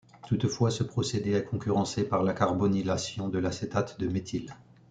Toutefois ce procédé est concurrencé par la carbonylation de l'acétate de méthyle.